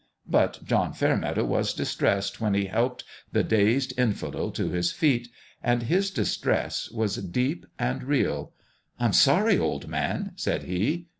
But John Fairmeadow was distressed when he helped the dazed Infidel to his feet ; and his distress was deep and real. "I'm sorry, old man," said he.